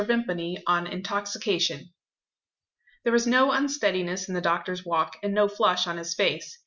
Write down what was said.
VIMPANY ON INTOXICATION THERE was no unsteadiness in the doctor's walk, and no flush on his face.